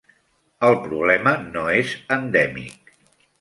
El problema no és endèmic.